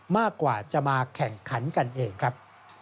มากกว่าจะมาแข่งขันกันเองครับ